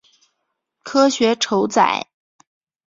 科学酬载